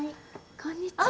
こんにちは。